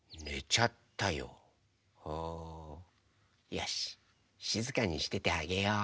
よししずかにしててあげよう。